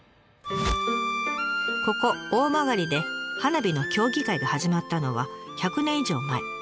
ここ大曲で花火の競技会が始まったのは１００年以上前。